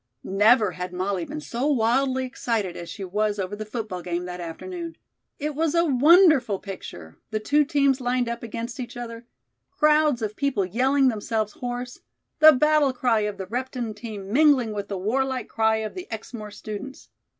Never had Molly been so wildly excited as she was over the football game that afternoon. It was a wonderful picture, the two teams lined up against each other; crowds of people yelling themselves hoarse; the battle cry of the Repton team mingling with the warlike cry of the Exmoor students.